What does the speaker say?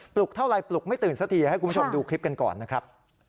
ลุกเท่าไรปลุกไม่ตื่นสักทีให้คุณผู้ชมดูคลิปกันก่อนนะครับ